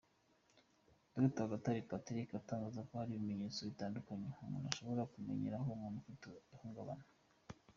Dr Rwagatare Patric atangaza ko hari ibimenyetso bitandukanye umuntu ashobora kumenyeraho umuntu ufite ihungabana.